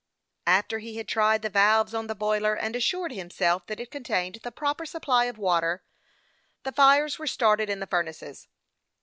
After he had tried the valves on the boiler, and assured himself that it contained the proper supply of water, the fires were started in the furnaces.